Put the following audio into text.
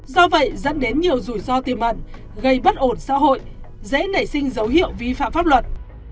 do vậy dẫn đến nhiều rủi ro tiềm ẩn gây bất ổn xã hội dễ nảy sinh dấu hiệu vi phạm pháp luật